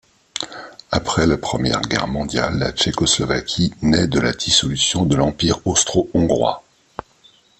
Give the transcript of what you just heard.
Après la Première Guerre mondiale, la Tchécoslovaquie naît de la dissolution de l'empire austro-hongrois.